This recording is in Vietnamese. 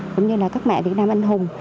cũng như là các mẹ việt nam anh hùng